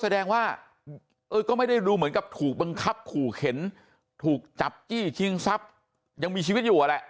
ดูเหมือนกับถูกบังคับขู่เข็นถูกจับจี้จิ้งทรัพย์ยังมีชีวิตอยู่อะแหละ